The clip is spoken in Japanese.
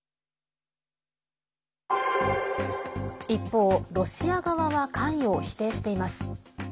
一方、ロシア側は関与を否定しています。